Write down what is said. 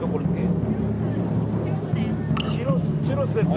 チュロスです。